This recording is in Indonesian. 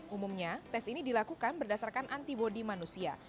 umumnya tes ini dilakukan berdasarkan antibody manusia